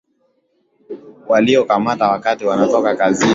waliokamata wakati wanatoka kazini